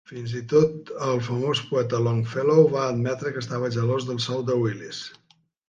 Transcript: Fins i tot el famós poeta Longfellow va admetre que estava gelós del sou de Willis.